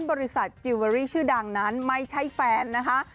บริษัทจิลเวอรี่ชื่อดังนั้นไม่ใช่แฟนนะคะ